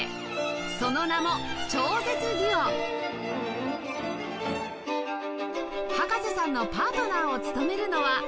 その名も葉加瀬さんのパートナーを務めるのは